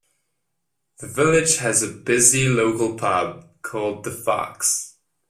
The village has a busy local pub, called "The Fox".